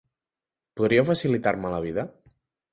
Podria facilitar-me la vida?